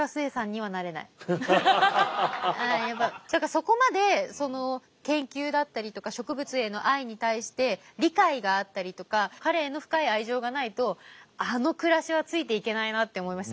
そこまでその研究だったりとか植物への愛に対して理解があったりとか彼への深い愛情がないとあの暮らしはついていけないなって思いました。